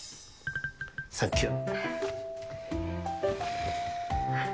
サンキュー。